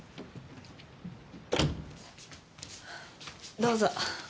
どうぞ。